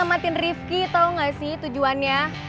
kamu mau ngelamatin rifki tau gak sih tujuannya